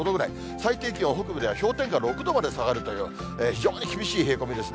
最低気温、北部では氷点下６度まで下がるという、非常に厳しい冷え込みですね。